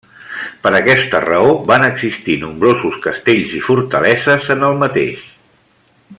Per aquesta raó van existir nombrosos castells i fortaleses en el mateix.